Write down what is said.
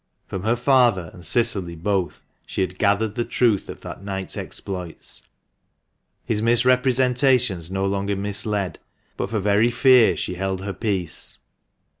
From her father and Cicily both she had gathered the truth of that night's exploits. His misrepresentations no longer misled ; but for very fear she held her peace.